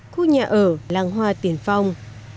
khu nhà ở làng hoa tiền phong